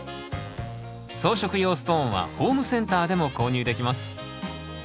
装飾用ストーンはホームセンターでも購入できます。